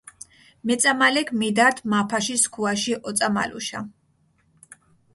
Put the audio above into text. მეწამალექ მიდართ მაფაში სქუაში ოწამალუშა.